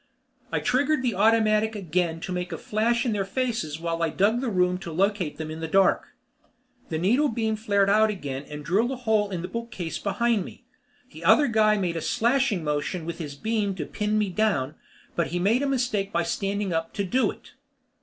I triggered the automatic again to make a flash in their faces while I dug the room to locate them in the dark. The needle beam flared out again and drilled a hole in the bookcase behind me. The other guy made a slashing motion with his beam to pin me down, but he made a mistake by standing up to do it.